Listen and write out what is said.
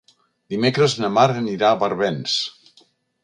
Dimecres na Mar anirà a Barbens.